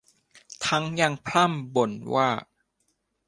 ทั้งยังพร่ำบ่นว่า